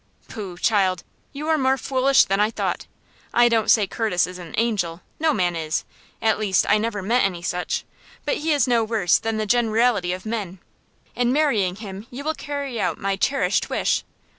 "Pooh! child! you are more foolish than I thought. I don't say Curtis is an angel. No man is; at least, I never met any such. But he is no worse than the generality of men. In marrying him you will carry out my cherished wish.